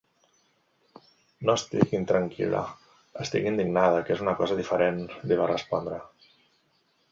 No estic intranquil·la, estic indignada, que és una cosa diferent, li va respondre.